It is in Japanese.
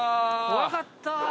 怖かった。